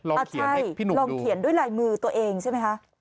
ลองเขียนให้พี่หนุดูอ่าใช่ลองเขียนด้วยลายมือตัวเองใช่ไหมคะ